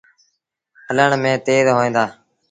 هلڻ ميݩ با تيز هوئيݩ دآ ۔